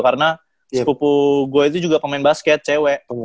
karena sepupu gue itu juga pemain basket cewek